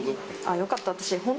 よかった。